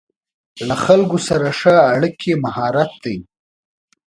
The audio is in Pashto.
له خلکو سره ښه اړیکې مهارت دی.